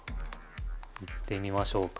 いってみましょうか？